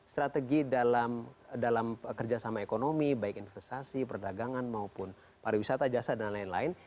strategi dalam kerjasama ekonomi baik investasi perdagangan maupun pariwisata jasa dan lain lain